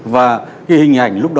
và cái hình ảnh lúc đó